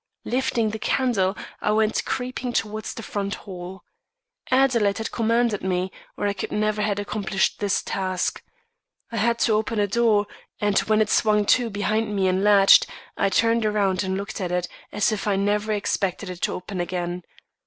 Lifting the candle, I went creeping towards the front hall. Adelaide had commanded me, or I could never have accomplished this task. I had to open a door; and when it swung to behind me and latched, I turned around and looked at it, as if I never expected it to open again.